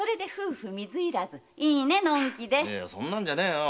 そんなんじゃねえよ。